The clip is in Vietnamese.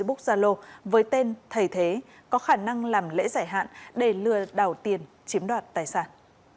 búc zalo với tên thầy thế có khả năng làm lễ giải hạn để lừa đảo tiền chiếm đoạt tài sản